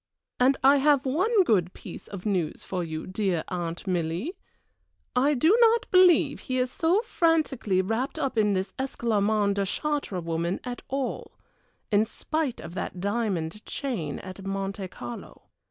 And I have one good piece of news for you, dear Aunt Milly. I do not believe he is so frantically wrapped up in this Esclarmonde de Chartres woman after all in spite of that diamond chain at Monte Carlo.